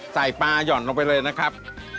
ใส่ปลาย่อนลงไปเลยนะครับ